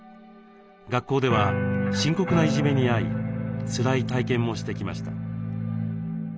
学校では深刻ないじめに遭いつらい体験もしてきました。